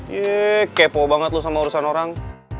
yee kepo banget lo sama urusan orang